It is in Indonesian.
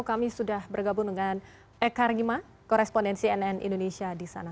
kami sudah bergabung dengan ekar gima korespondensi nn indonesia di sana